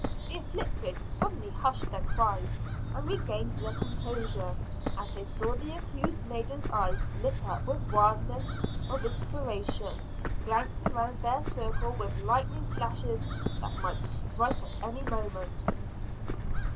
The "afflicted" suddenly hushed their cries and regained their composure, as they saw the accused maiden's eyes, lit up with the wildness of inspiration, glancing around their circle with lightning flashes that might strike at any moment.